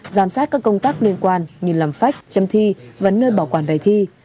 đảm sát các công tác liên quan như làm phách châm thi và nơi bảo quản về thi